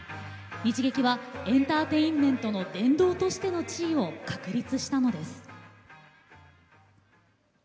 日劇はエンターテインメントの殿堂としての地位を確立したのです。